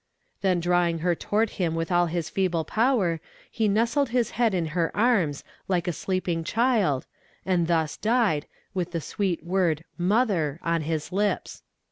Then drawing her toward him with all his feeble power, he nestled his head in her arms, like a sleeping child, and thus died, with the sweet word, 'Mother,' on his lips."